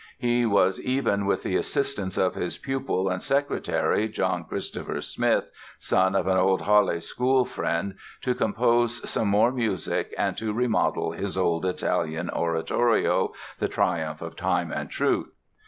He was, even, with the assistance of his pupil and secretary, John Christopher Smith, son of an old Halle school friend, to compose some more music and to remodel his old Italian oratorio, "The Triumph of Time and Truth."